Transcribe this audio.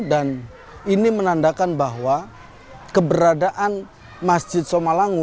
dan ini menandakan bahwa keberadaan masjid somalungu